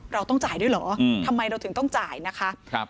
เราต้องจ่ายด้วยเหรอทำไมเราถึงต้องจ่ายนะคะ